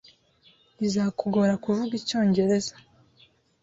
Bizakugora kuvuga icyongereza.